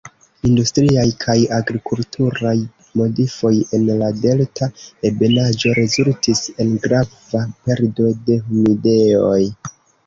Industriaj kaj agrikulturaj modifoj en la delta ebenaĵo rezultis en grava perdo de humidejoj.